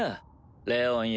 レオンよ